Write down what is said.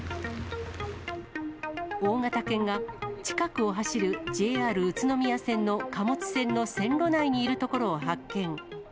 大型犬が近くを走るＪＲ宇都宮線の貨物線の線路内にいるとこ